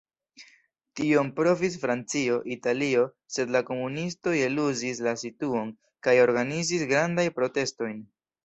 Tion provis Francio, Italio, sed la komunistoj eluzis la situon kaj organizis grandajn protestojn.